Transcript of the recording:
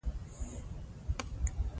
د وینو شېلې روانې وې.